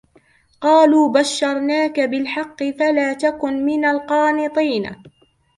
قَالُوا بَشَّرْنَاكَ بِالْحَقِّ فَلَا تَكُنْ مِنَ الْقَانِطِينَ